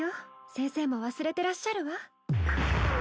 先生も忘れてらっしゃるわ。